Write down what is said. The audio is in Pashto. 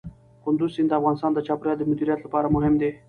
کندز سیند د افغانستان د چاپیریال د مدیریت لپاره مهم دي.